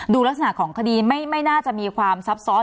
ลักษณะของคดีไม่น่าจะมีความซับซ้อน